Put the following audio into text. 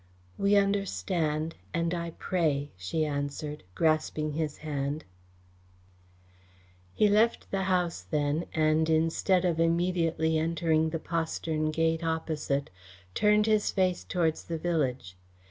"We understand and I pray," she answered, grasping his hand. He left the house then and, instead of immediately entering the postern gate opposite, turned his face towards the village.